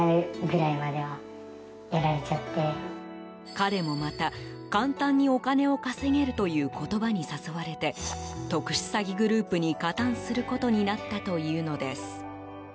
彼もまた、簡単にお金を稼げるという言葉に誘われて特殊詐欺グループに加担することになったというのです。